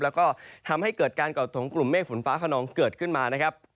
แล้วก็ทำให้เกิดการก่อตัวของกลุ่มเมฆฝนฟ้าขนองเกิดขึ้นมานะครับ